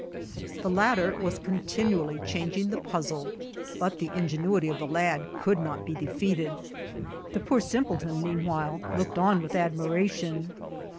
The latter was continually dianging tiie pmzle, hot the ingenuity of the lad could not be defeated. The poor simpleton meanwhile looked on with admiration.